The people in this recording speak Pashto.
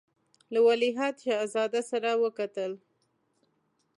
له ولیعهد شهزاده سره وکتل.